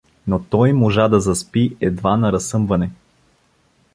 Но той можа да заспи едва на разсъмване.